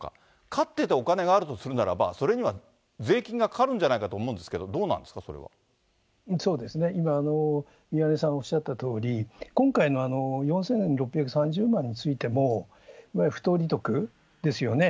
勝っててお金があるとするならば、それには税金がかかるんじゃないかと思うんですけど、どうなんでそうですね、今、宮根さんおっしゃったとおり、今回の４６３０万についても、不当利得ですよね。